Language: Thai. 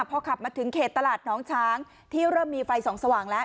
พอขับมาถึงเขตตลาดน้องช้างที่เริ่มมีไฟส่องสว่างแล้ว